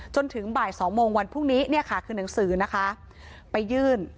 จนถึงบ่ายสองโมงวันพรุ่งนี้เนี่ยค่ะคือหนังสือนะคะไปยื่น